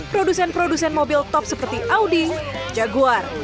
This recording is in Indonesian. produsen produsen mobil top seperti audi jaguar